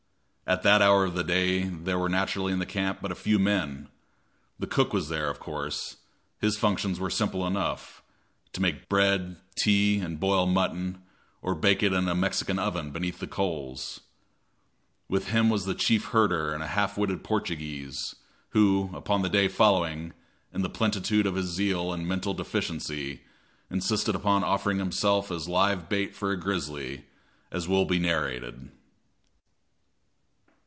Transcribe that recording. At that hour of the day there were naturally in camp but a few men. The cook was there, of course. His functions were simple enough to make bread, tea, and boil mutton, or bake it in a Mexican oven beneath the coals. With him was the chief herder and a half witted Portuguese, who, upon the day following, in the plenitude of his zeal and mental deficiency, insisted upon offering himself as live bait for a grizzly, as will be narrated.